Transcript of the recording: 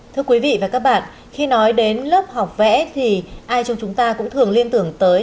thưa quý vị và các bạn khi nói đến lớp học vẽ thì ai trong chúng ta cũng thường liên tưởng tới